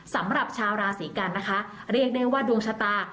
สำหรับชาวราศีกันนะคะเรียกได้ว่าดวงชะตา